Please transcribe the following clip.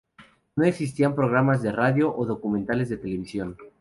No existían programas de radio o documentales de televisión.